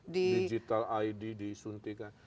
digital id disuntikan